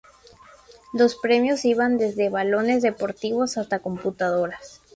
Los premios iban desde balones deportivos hasta computadoras.